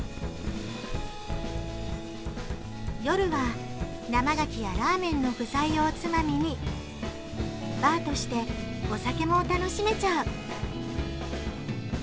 夜は、生牡蠣やラーメンの具材をおつまみにバーとしてお酒も楽しめちゃう。